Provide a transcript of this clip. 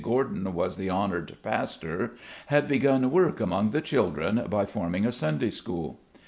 Gordon was the honored pastor, had begun work among the children by form ing a Sunday School.